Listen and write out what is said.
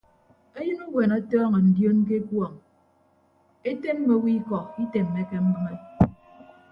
Eyịn uweene ọtọọñọ ndioon ke ekuọñ etemme owo ikọ itemmeke mbịme.